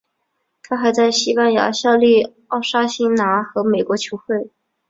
他还在西班牙效力奥沙辛拿和美国球会。